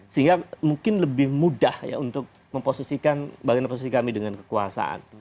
sehingga mungkin lebih mudah ya untuk memposisikan bagian oposisi kami dengan kekuasaan